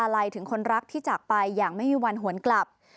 ลัยถึงคนรักที่จากไปอย่างไม่มีวันหวนกลับ